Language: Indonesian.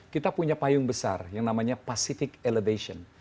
kita punya payung besar yang namanya pacific elevation